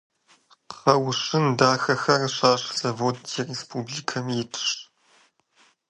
Кхъуэщын дахэхэр щащӀ завод ди республикэм итщ.